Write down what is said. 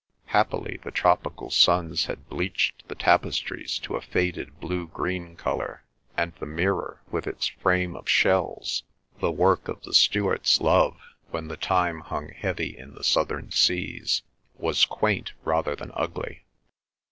Happily the tropical suns had bleached the tapestries to a faded blue green colour, and the mirror with its frame of shells, the work of the steward's love, when the time hung heavy in the southern seas, was quaint rather than ugly.